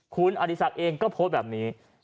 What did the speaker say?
คุณอดีศักดิ์เองก็โพสต์แบบนี้